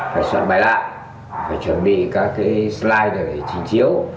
phải soạn bài lại phải chuẩn bị các cái slide để chỉnh chiếu